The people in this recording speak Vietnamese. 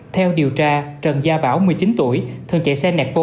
theo điều tra trần gia bảo một mươi chín tuổi thường chạy xe nẹt bô